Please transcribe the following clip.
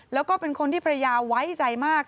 แล้วก็เป็นคนที่ภรรยาไว้ใจมาก